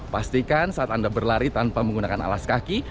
pastikan saat anda berlari tanpa menggunakan alas kaki